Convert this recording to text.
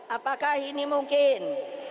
apakah ini mungkin